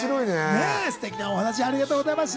ステキなお話ありがとうございます。